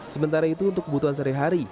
sementara itu untuk kebutuhan sehari hari